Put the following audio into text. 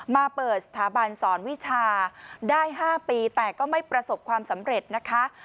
มาเปิดสถาบันสอนวิชาได้๕ปีแต่ก็ไม่ประสบความสำเร็จนะคะ